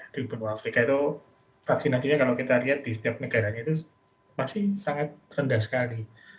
di benua afrika itu vaksinasinya kalau kita lihat di setiap negaranya itu masih sangat rendah sekali